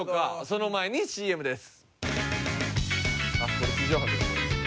その前にＣＭです。